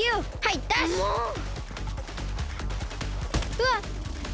うわっ！